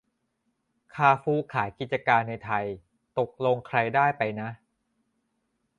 คาร์ฟูร์ขายกิจการในไทย ตกลงใครได้ไปนะ